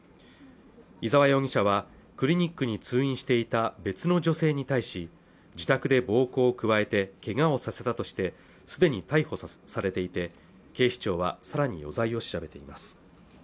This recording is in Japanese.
伊沢容疑者はクリニックに通院していた別の女性に対し自宅で暴行を加えてけがをさせたとしてすでに逮捕されていて警視庁はさらに余罪を調べています